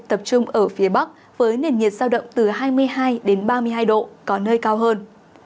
tập trung ở phía bắc với nền nhiệt giao động từ hai mươi hai ba mươi hai độ có nơi cao hơn